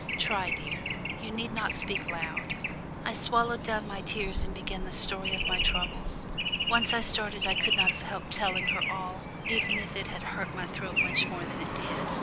Try, dear. You need not speak loud." I swallowed down my tears and began the story of my troubles. Once started I could not have helped telling her all, even if it had hurt my throat much more than it did.